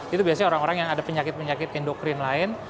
itu biasanya orang orang yang ada penyakit penyakit endokrin lain